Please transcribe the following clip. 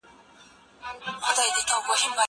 دا مرسته له هغه مهمه ده!؟